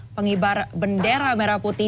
penghibar bendera merah putih